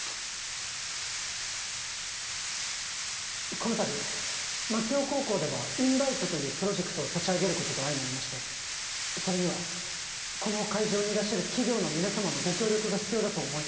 このたび槙尾高校ではインバイトというプロジェクトを立ち上げることと相成りましてそれにはこの会場にいらっしゃる企業の皆様のご協力が必要だと思い